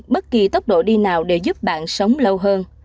bất kỳ tốc độ đi nào để giúp bạn sống lâu hơn